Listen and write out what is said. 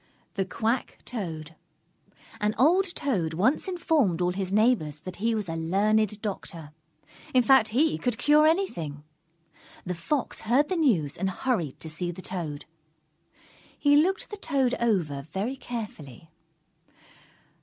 _ THE QUACK TOAD An old Toad once informed all his neighbors that he was a learned doctor. In fact he could cure anything. The Fox heard the news and hurried to see the Toad. He looked the Toad over very carefully.